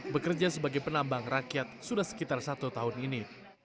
bekerja sebagai penambang rakyat sudah sekitar satu tahun ini